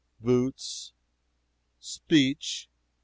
"Boots!" "Speech!"